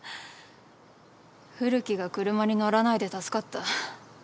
古木が車に乗らないで助かった。